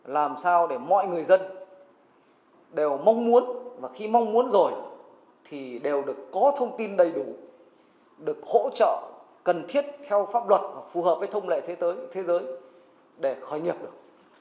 làm sao để mọi người dân đều mong muốn và khi mong muốn rồi thì đều được có thông tin đầy đủ được hỗ trợ cần thiết theo pháp luật và phù hợp với thông lệ thế giới thế giới để khởi nghiệp được